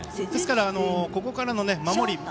ですから、ここからの守り